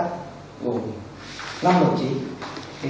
công tác gồm năm mục trí